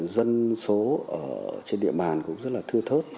dân số trên địa bàn cũng rất là thư thớt